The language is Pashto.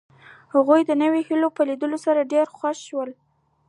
هغوی د نویو هیلو په لیدو سره ډېر خوښ شول